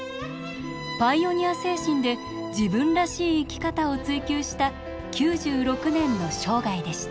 パイオニア精神で自分らしい生き方を追求した９６年の生涯でした。